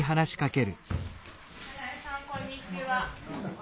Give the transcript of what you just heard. こんにちは。